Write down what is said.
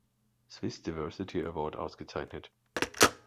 Swiss Diversity Award ausgezeichnet.